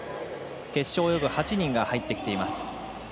決勝を泳ぐ８人が入ってきています。